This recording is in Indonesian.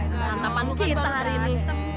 kesantapan kita hari ini